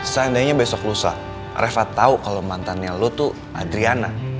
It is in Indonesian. seandainya besok lusa reva tahu kalau mantannya lo tuh adriana